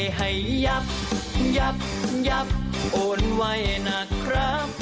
ให้ยับยับยับโอนไว้นะครับ